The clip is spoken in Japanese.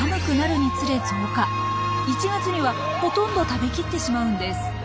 １月にはほとんど食べ切ってしまうんです。